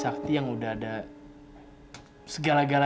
sakti yang udah ada segala gala